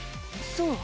そう？